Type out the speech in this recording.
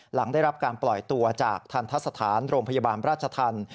หลังได้รับการปล่อยตัวจากทันทะสถานโรงพยาบาลราชธรรม